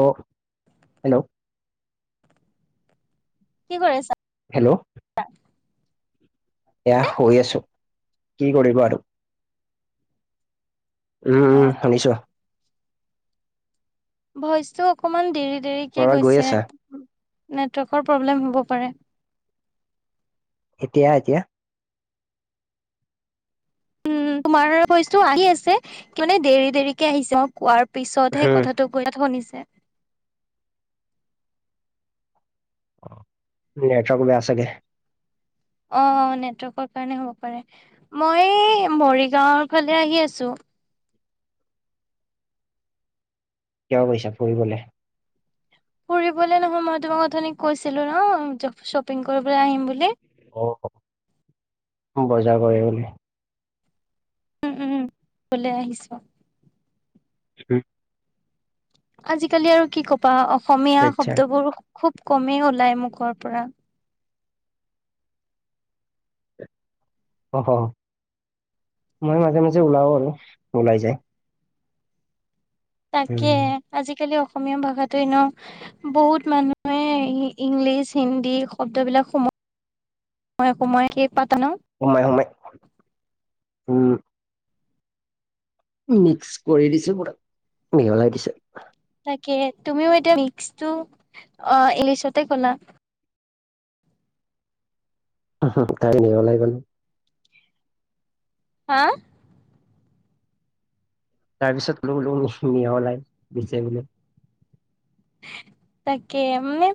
অ hello কি কৰি আছা? হেল্ল' এয়া শুই আছো কি কৰিব আৰু উম উম অ', অ', শুনিছো ভইচটো অকমান দেৰি দেৰিকে কৰবাত গৈ গৈছে আছা? নেটৱৰ্কৰ প্ৰব্লেম হ'ব পাৰে এতিয়া এতিয়া উম তোমাৰ ভইছটো আহি আছে কি মানে দেৰি দেৰিকে আহিছে মই কোৱাৰ পিছতহে হম, কথাটো কাত শুনিছে নেটৱৰ্ক বেয়া চাগে অ নেটৱৰ্কৰ কাৰণে হ'ব পাৰে মই মৰিগাঁৱৰ ফালে আহি আছো কিয় গৈছা ফুৰিবলে? ফুৰিবলে নহয় মই তোমাক কথা কৈছিলো ন শ্বপিং কৰিবলৈ আহিম বুলি অ বজাৰ কৰিবলে। উম উম উলাই আহিছো। [unintelligible] আজিকালি আৰু কি ক'বা অসমীয়া আচ্ছা শব্দবোৰ খুব কমেই ওলাই মুখৰ পৰা অ মই মাজে মাজে ওলাও আৰু ওলাই যায় তাকে উম, আজিকালি অসম অসমীয়া ভাষাটো এনেও বহুত মানুহে ইংলিছ, হিন্দী শব্দবিলাক সোম মই সোমই সেই সোমাই -সোমাই উম মিক্স কৰি দিছে পুৰা মিহলাই দিছে। তুমিও এতিয়া মিশ টো ইংলিছতে ক'লা তাই ন ওলাই গ'ল হা তাৰ পিছত মিহলাই দিছে বোলে উ তাকে মানে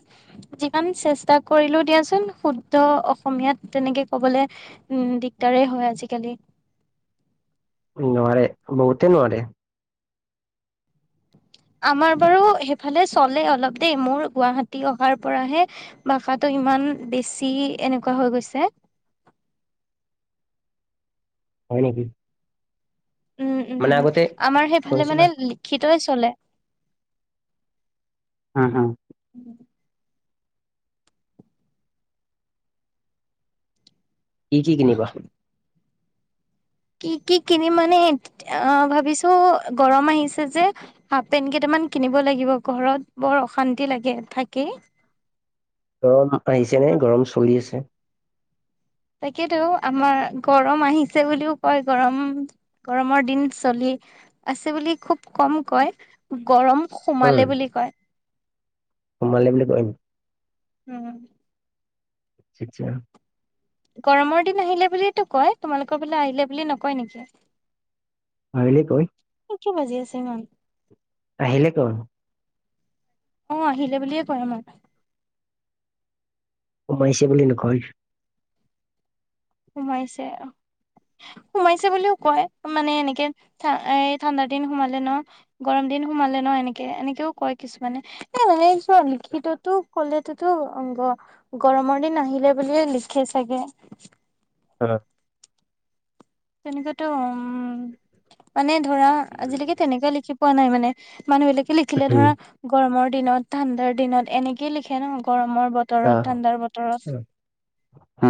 যিমান চেষ্টা কৰিলো দিয়াচোন শুদ্ধ অসমীয়াত তেনেকে ক'বলৈ উম দিগদাৰেই হয় আজিকালি নোৱাৰে বহুতে নোৱাৰে আমাৰ বাৰু সেইফালে চলে অলপ দেই মোৰ গুৱাহাটী অহাৰ পৰাহে ভাষাটো ইমান বেছি এনেকুৱা হৈ গৈছে হয় নেকি উম মানে উম আগতে আমাৰ সেইফালে কৈছিলা মানে লিখিতই চলে হম হু উ কি কি কিনিবা? কি কি কিনিম মানে অ ভাবিছো গৰম আহিছে যে হাফ পেন্ট কেই তামান, মান কিনিব লাগিব ঘৰত বৰ অশান্তি লাগে থাকি গৰম আহিছে নে গৰম চলি আছে তাকেতো আমাৰ গৰম আহিছে বুলিও কয় গৰম গৰমৰ দিন চলি আছে বুলি খুব কম কয়, গৰম উম সোমালে বুলি কয়। সোমালে বুলি কয় নি। উম। আটছা। গৰমৰ দিন আহিলে বুলিয়ে টো কয় তোমালোকৰ বোলে আহিলে বুলি নকয় নেকি? আহিলে কয়। কি বাজি আছে ইমান? আহিলে কওঁ। আহ আহিলে বুলিয়ে কয় আমাৰ সোমাইছে বুলি নকয়। সোমাইছে। সোমাইছে বুলিও কয় মানে এনেকে এ ঠাণ্ডা দিন সোমালে ন গৰম দিন সোমালে ন এনেকে এনেকেও কয় কিছুমানে এ এনেৱা লিখিততো ক'লে তো অং গৰমৰ দিন আহিলে বুলি লিখে চাগে। [unintelligible] তেনেকুৱাতো উম, মানে ধৰা আজিলৈকে তেনেকুৱা লিখি পোৱা নাই মানে। মানুহ বিলাকে লিখিলে ধৰা গৰমৰ দিনত, ঠাণ্ডাৰ দিনত এনেকেই লিখে ন গৰমৰ। বতৰত ঠাণ্ডাৰ বতৰত।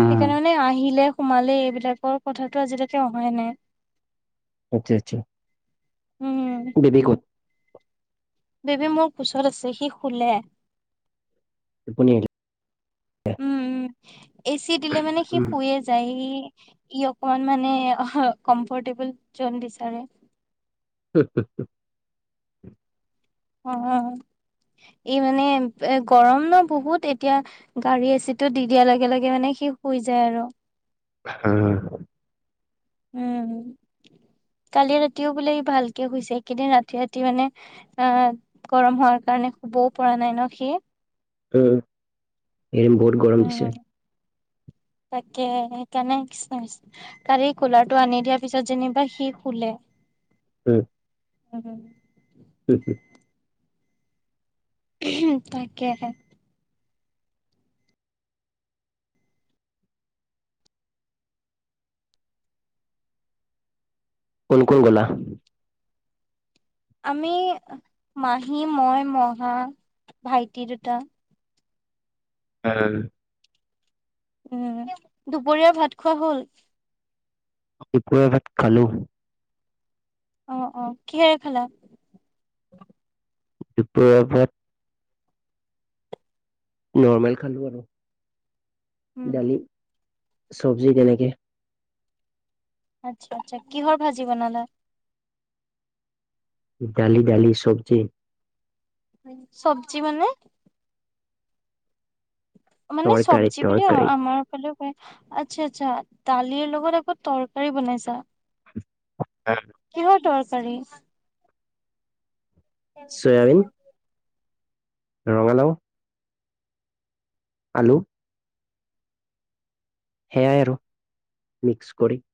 সেইকাৰণে মানে আহিলে সোমালে এইবিলাকৰ কথাাতটো আজিলৈকে অহাই নাই। আচ্ছা -আচ্ছা উম [unintelligible] বেবী মোৰ পিছত আছে সি শুলে। [unintelligible] উম- উম এচি দিলে মানে সি উম শুইয়ে যায় সি। ই অকনমান মানে অ কমফৰ্টেবল জন বিচাৰে হুম হুম হুম। উম [inaudible] এই মানে এ গৰম ন বহুত এতিয়া গাড়ী এচিটো দি দিয়াৰ লগে লগে মানে [unintelligible] শেষ হৈ যায় আৰু [unintelligible] হুম [unintelligible] উম [unintelligible] কালি ৰাতিও বোলে ভালকে শুইছে এইকেইদিন ৰাতি-ৰাতি মানে আহ গৰম হয় [unintelligible] কাৰণে শুবও পৰা নাই ন সি উম এইকেইদিন বহুত গৰম উম দিছে। [unintelligible] তাকে সেইকাৰণে তাৰে এই কুলাৰটো আনি দিয়াৰ পিছত যেনিবা সি শুলে। উম। উম [unintelligible] হ হ [unintelligible] উহুম তাকেহে কোন-কোন গ'লা। আমি মাহী, মই, মহা, ভাইটি দুটা উম উম দুপৰীয়া ভাত খোৱা হল দুপৰীয়া ভাত খালোঁ। আহ অ কিহেৰে খালা? দুপৰীয়া ভাত নৰ্মেল খালো আৰু উম দালি চব্জি তেনেকে [unintelligible] আচ্ছা-আচ্ছা কিহৰ ভাজি বনালা? [inaudible] [unintelligible] ডালি দালি চব্জি [unintelligible] [unintelligible] চবজি মানে? [inaudible] [unintelligible] মানে তৰকাৰী চব্জি বুলিও অ তৰকাৰী আমাৰ ফালেও কয় [inaudible] [unintelligible] আচ্ছা-আচ্ছা দালিৰ লগত আকৌ তৰকাৰী বনাইছা? [inaudible] [unintelligible] কিহৰ দৰকাৰী? [inaudible] তে [inaudible] [unintelligible] চয়াবিন [unintelligible] ৰঙালাও [inaudible] [unintelligible] আলু [inaudible] [unintelligible] সেয়াই আৰু মিক্স কৰি [inaudible]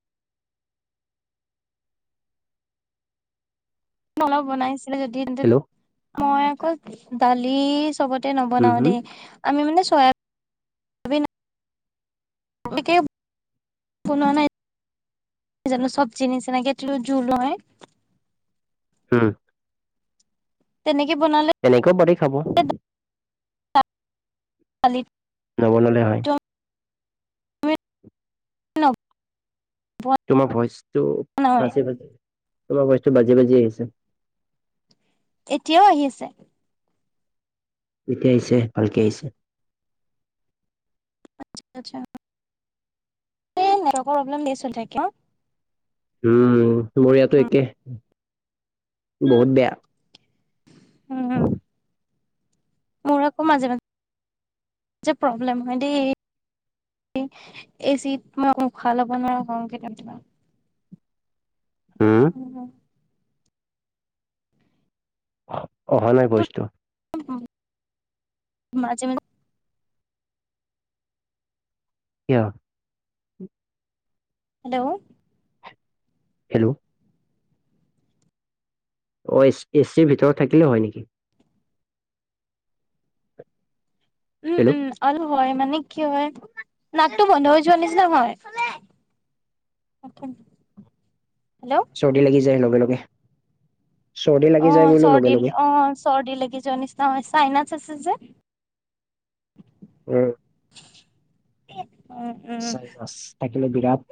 [unintelligible] অলপ বনাইছিলে যদি তেন্তে হেল্ল' মই আকৌ দালি চবত [unintelligible] [unintelligible] চবতে উম নবনাওঁ হম দেই আমি মানে চয়াবিন [unintelligible] [unintelligible] তেনেকে বনোৱা নাই [inaudible] [unintelligible] যান সব জিনছ তেনেকে জোল নহয় [unintelligible] হুম [unintelligible] তেনেকে [unintelligible] [unintelligible] এনেকৈও পাৰি খাব [inaudible] খালি [unintelligible] [unintelligible] নবনালে হয় [inaudible] হ্ল [unintelligible] [unintelligible] তোমাৰ ভইচটো ফাটি-ফাটি [inaudible] [unintelligible] তোমাৰ ভ‌ইচটো বাজি-বাজি আহিছে [inaudible] [unintelligible] এতিয়াও আহি আছে [inaudible] [unintelligible] এতিয়া আহিছে ভালকে আহিছে [inaudible] [unintelligible] আচ্ছা-আচ্ছা [inaudible] [unintelligible] এ নেটৱৰ্কৰ প্ৰব্লেম ধেৰ চলি থাকে অ [inaudible] উম মোৰ ইয়াতো একে [unintelligible] বহুত বেয়া। উম মোৰ আকৌ মাজে মাজে যে প্ৰব্লেম হয় দেই। এ চিট মই উষা ল'ব নোৱাৰা হও কিন্তু হম উম অহা নাই ভইচটো। উম মাজে মাজে কিয় হেল্ল' হেল্ল' অ এচিৰ ভিতৰত থাকিলে হয় নেকি উম হেল্ল' উম অহ হয় মানে কি হয় নাকটো বন্ধ হৈ যোৱা নিচিনা হয় তাকে চৰ্দি লাগি যায় লগে লগে চৰ্দি লাগি অ যায় বোলো লগে চৰ্দি লগে অ চৰ্দি লাগি যোৱা নিচিনা চাইনাচ আছে যে উম স [inaudible] চাইনাচ বিৰাট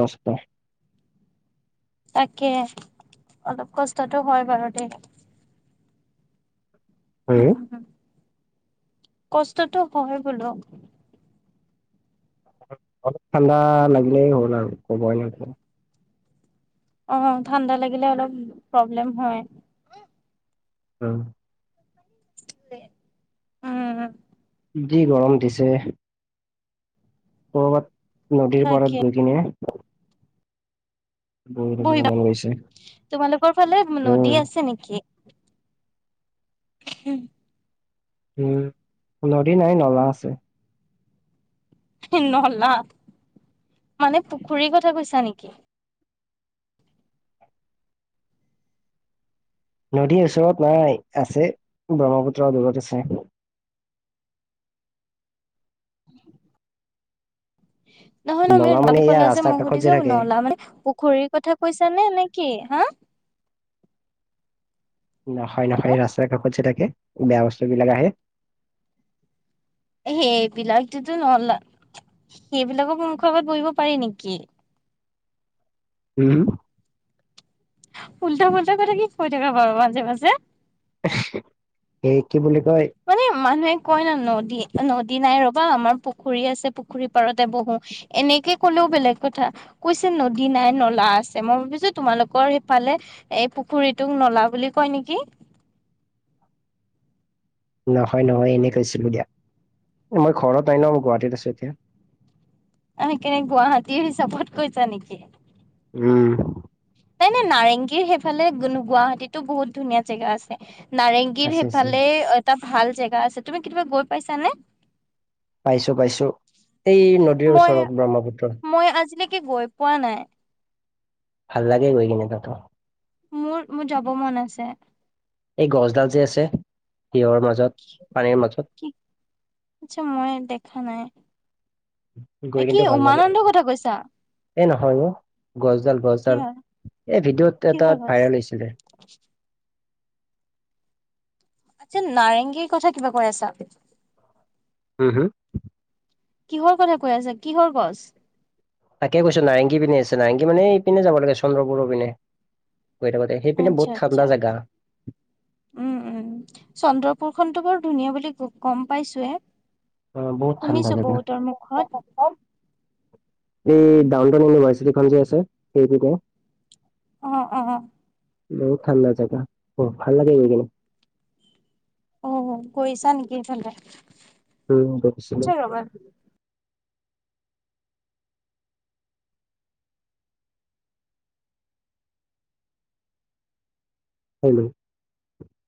কষ্ট তাকে অলপ কষ্টটো হয় বাৰু দে হম কষ্টটো হয় বোলো অলপ ঠাণ্ডা লাগিলেই হল আৰু হৈ যায় ন অ ঠাণ্ডা লাগিলে অলপ প্ৰব্লেম হয় উম উম যি গৰম দিছে। ক'বাত নদীৰ তাকে পাৰাত গৈ কিনে। থাকিব বহি দ মন গৈছে। তোমালোকৰ ফালে নদী উম, আছে নেকি হম উম নদী নাই নলা আছে। নলা মানে পুখুৰী কথা কৈছা নেকি? নদীৰ ওচৰত নাই আছে ব্ৰহ্মপুত্ৰৰ দূৰত আছে। নহয় ন মানে নলা ন এয়া কলা যে ৰাস্তাৰ মই কাষত যে সোধিছো থাকে। নলা মানে ঘড়ীৰ কথা কৈছা নে নে কি হা। নহয় নহয় হেল্ল' ৰাস্তা কাষত যে থাকে বেয়া বস্তু বিলাক আহে। সেইবিলাক তোতো নলা সেইবিলাকৰ মুখৰ আগত বহিব পাৰি নেকি? উম উল্টা পাল্টা কথা কি কৈ থাকা বাৰু মাজে মাজে। সেই কি বুলি কয়। কই ন নদী নদী নাই ৰবা আমাৰ পুখুৰী আছে পুখুৰী পাৰতে বহো এনেকে ক'লেও বেলেগ কথা কৈছে নদী নাই নলা আছে মই ভাবিছো তোমালোকৰ সেইফালে এই পুখুৰী সেই তুক নলা বুলি কয় নেকি? নহয় নহয় এনে কৈছিলো দিয়া মই ঘৰত নাই ন গুৱাহাটীত আছো এতিয়া আহি কেনে গুৱাহাটীৰ হিচাপৰ্ট কৈছা নেকি উম এনে নাৰেংগীৰ সেইফালে গুৱাহাটীতো বহুত ধুনীয়া জেগা আছে। নাৰেংগীৰ আছে আছে সেইফালে এটা ভাল জেগা আছে তুমি কেতিয়াবা গৈ পাইছানে? পাইছো পাইছো এই নদীৰ মই ওচৰত ব্ৰহ্মপুত্ৰ মই আজিলৈকে গৈ পোৱা নাই। ভাল লাগে গৈ কিনে তত। মোৰ মোৰ যাব মন আছে। এই গছডাল যে আছে সিহঁৰ মাজত পানীৰ মাজত। কি আচ্ছা মই দেখা নাই। এ গৈ কি কিন্তু ভাল লাগে উমানন্দৰ কথা কৈছা? এই নহয় গছডাল কি গছডাল হয় এই ভিডিঅ' কিহৰ এটাত গছ ভাইৰেল হৈছিলে। আচ্ছা নাৰেংগীৰ কথা কিবা কৈ আছা? হু, হু কিহৰ কথা কৈ আছা কিহৰ গছ? তাকে কৈছো নাৰেঙগী পিনে আছে নাৰেঙগী মানে এই পিনে যাব লাগে চন্দ্ৰ পুৰ পিনে। গৈ থাকোতে সেইপিনে আচ্ছা বহুত ঠাণ্ডা আচ্ছা জেগা উম উম চন্দ্ৰপুৰ খনতো বৰ ধুনীয়া বুলি গম পাইছোয়ে অ বহুত ঠাণ্ডা শুনিছো জেগা বহুতৰ মুখত। এই ডাউন টাউন ইউনিভাৰ্চিটিখন যে আছে সেইটোকে। অ অ। বহুত ঠাণ্ডা জেগা অ ভাল লাগে গৈ কিন। অ গৈছা নেকি হেফলে? উম ঘৈছিলো। হেল্ল'